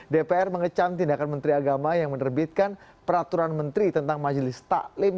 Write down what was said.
dpr mengecam tindakan menteri agama yang menerbitkan peraturan menteri tentang majelis taklim